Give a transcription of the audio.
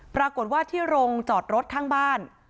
ปรากฏว่าที่โรงจอดรถข้างบ้าน